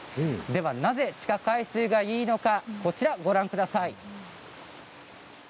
ではなぜ地下海水がいいのかご覧ください。